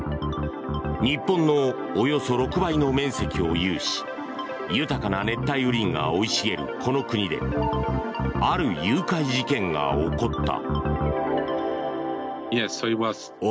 日本のおよそ６倍の面積を有し豊かな熱帯雨林が生い茂るこの国である誘拐事件が起こった。